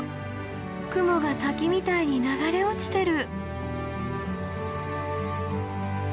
雲が滝みたいに流れ落ちてる。